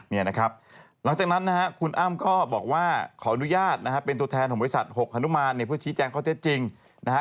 เนี่ยนะครับหลังจากนั้นนะฮะคุณอ้ำก็บอกว่าขออนุญาตนะฮะเป็นตัวแทนของบริษัทหกฮนุมานเนี่ยเพื่อชี้แจงข้อเท็จจริงนะฮะ